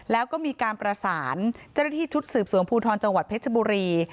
แล้วก็มีการประสานเจ้าหน้าที่ชุดสืบสวนภูทรจังหวัดเพชรบุรี